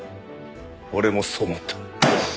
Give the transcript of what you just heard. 俺もそう思った。